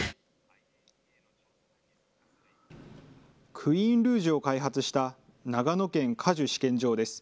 クイーンルージュを開発した、長野県果樹試験場です。